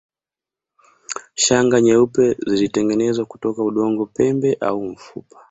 Shanga nyeupe zilitengenezwa kutoka udongo pembe au mfupa